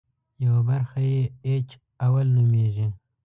یوه برخه یې اېچ اول نومېږي.